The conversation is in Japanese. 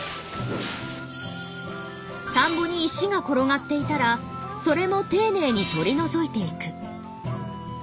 田んぼに石が転がっていたらそれも丁寧に取り除いていく。